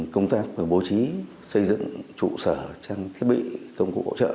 công tác bố trí xây dựng trụ sở trang thiết bị công cụ hỗ trợ